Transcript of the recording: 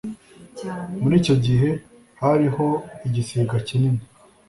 muri icyo gihe hariho igisiga kinini